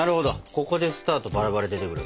ここでスタートバラバラ出てくる。